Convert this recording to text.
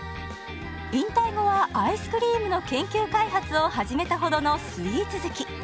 引退後はアイスクリームの研究開発を始めたほどのスイーツ好き。